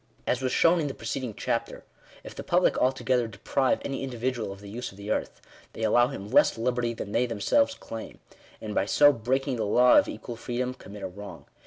As was shown in the preceding chapter, if the public altogether deprive any individual of the use of the earth, they allow him less liberty than they themselves claim ; and by so breaking the law of equal freedom, commit a wrong.